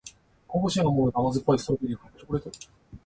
香ばしいアーモンドと甘酸っぱいストロベリーが入ったチョコレート